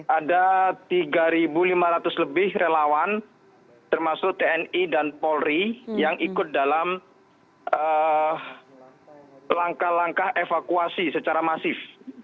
ada tiga lima ratus lebih relawan termasuk tni dan polri yang ikut dalam langkah langkah evakuasi secara masif